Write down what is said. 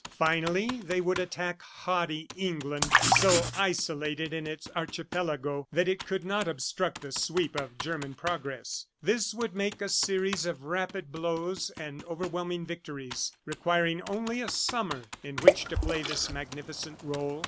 Finally they would attack haughty England, so isolated in its archipelago that it could not obstruct the sweep of German progress. This would make a series of rapid blows and overwhelming victories, requiring only a summer in which to play this magnificent role.